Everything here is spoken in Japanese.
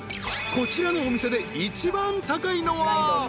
［こちらのお店で一番高いのは］